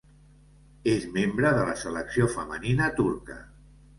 És membre de la selecció femenina turca.